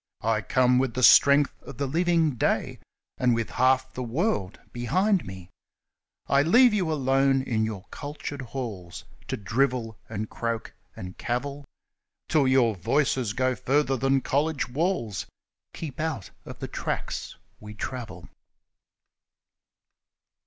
I come with strength of the living day, And with half the world behind me ; I leave you alone in your cultured halls To drivel and croak and cavil : Till your voice goes further than college walls, Keep out of the tracks we travel